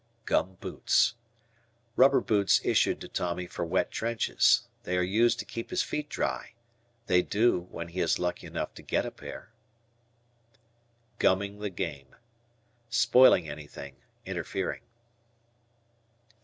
Gum Boots. Rubber boots issued to Tommy for wet trenches. They are used to keep his feet dry; they do, when he is lucky enough to get a pair. "Gumming the game." Spoiling anything, interfering.